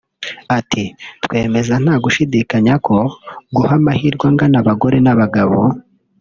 Ati “Twemeza nta gushidikanya ko guha amahirwe angana abagore n’abagabo